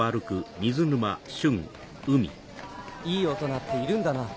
いい大人っているんだな。